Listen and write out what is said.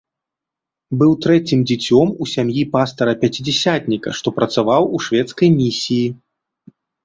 Быў трэцім дзіцём у сям'і пастара-пяцідзясятніка, што працаваў у шведскай місіі.